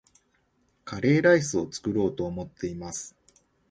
カレーライスを作ろうと思っています